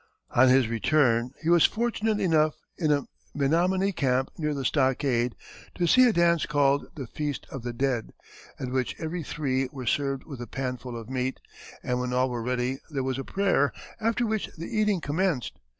On his return he was fortunate enough, in a Menominee camp near the stockade, to see a dance, called the feast of the dead, at which "every three were served with a panful of meat, and when all were ready there was a prayer, after which the eating commenced.